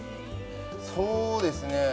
そうですね